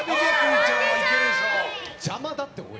邪魔だって、おい。